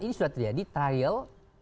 ini sudah terjadi trial